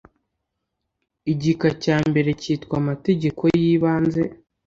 igika cya mbere cyitwa Amategeko y Ibanze